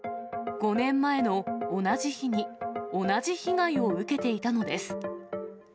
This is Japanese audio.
５年前の同じ日に、同じ被害を受けていたのです。